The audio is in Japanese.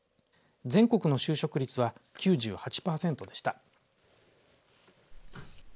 全国の就職率は９８パーセントでした。